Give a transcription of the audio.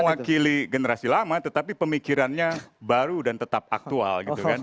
mewakili generasi lama tetapi pemikirannya baru dan tetap aktual